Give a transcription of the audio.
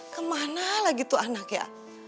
kemana lagi tuh anak ya